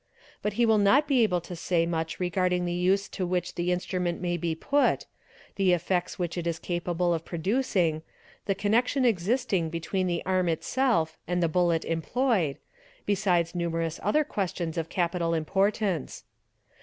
But he will not be able to say much regarding the use to which the instrument may be put, the effects which it is capable of producing, the connection existing between the arm itself and the bullet employed, besides numerous other questions of capital importance.